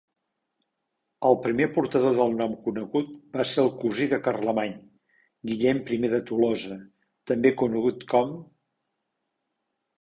El primer portador del nom conegut va ser el cosí de Carlemany, Guillem I de Tolosa, també conegut com